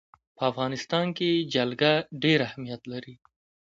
په افغانستان کې جلګه ډېر اهمیت لري.